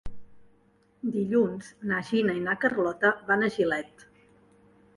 Dilluns na Gina i na Carlota van a Gilet.